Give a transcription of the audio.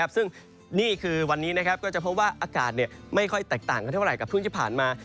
ซึ่งนี่คือวันนี้ก็จะพบว่าอากาศไม่ค่อยแตกต่างกันเท่าไหรกับพรุ่งที่ผ่านมา